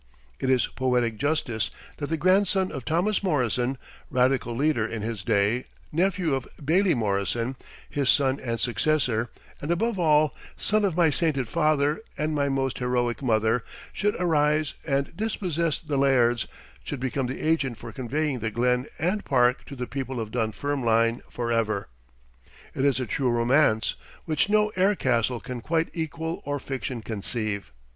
It is poetic justice that the grandson of Thomas Morrison, radical leader in his day, nephew of Bailie Morrison, his son and successor, and above all son of my sainted father and my most heroic mother, should arise and dispossess the lairds, should become the agent for conveying the Glen and Park to the people of Dunfermline forever. It is a true romance, which no air castle can quite equal or fiction conceive.